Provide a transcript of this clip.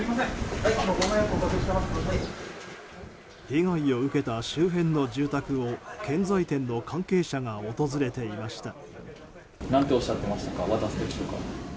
被害を受けた周辺の住宅を建材店の関係者が訪れていました。